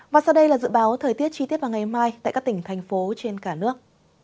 và sau đây là dự báo thời tiết chi tiết vào ngày mai tại các tỉnh thành phố trên cả nước